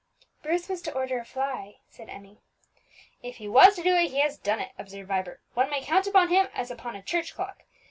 "Bruce was to order a fly," said Emmie. "If he was to do it, he has done it," observed Vibert; "one may count upon him as upon a church clock.